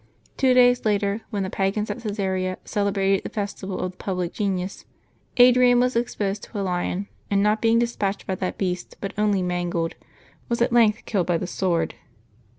Two days after, when the pagans at Csesarea celebrated the festival of the public Genius, Adrian was exposed to a lion, and not being de spatched by that beast, but only mangled, was at length killed by the sword.